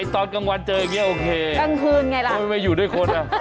ตอนกลางวันเจออย่างนี้โอเคกลางคืนไงล่ะไม่อยู่ด้วยคนอ่ะ